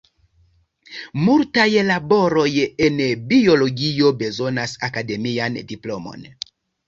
Multaj laboroj en biologio bezonas akademian diplomon.